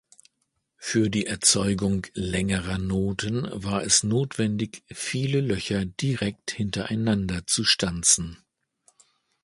Für die Erzeugung längerer Noten war es notwendig, viele Löcher direkt hintereinander zu stanzen.